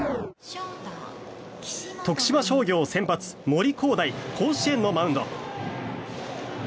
徳島商業先発、森煌誠甲子園のマウンド。